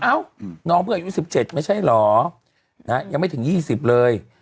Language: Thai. เอ้าน้องเพิ่งอายุ๑๗ไม่ใช่เหรอยังไม่ถึง๒๐เลย